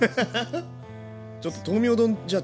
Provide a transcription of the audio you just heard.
ちょっと豆苗丼じゃあ